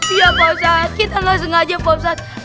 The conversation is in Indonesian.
iya pak ustadz kita nggak sengaja pak ustadz